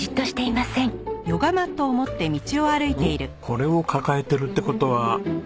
これを抱えてるって事は。